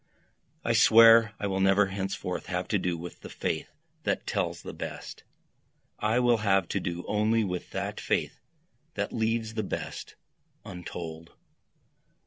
I swear I will never henceforth have to do with the faith that tells the best, I will have to do only with that faith that leaves the best untold.